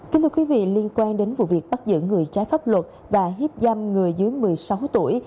kính thưa quý vị liên quan đến vụ việc bắt giữ người trái pháp luật và hiếp dâm người dưới một mươi sáu tuổi